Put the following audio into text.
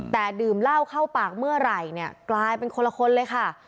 แต่ดื่มเหล้าเข้าปากเมื่อไหร่เนี่ยกลายเป็นคนละคนเลยค่ะ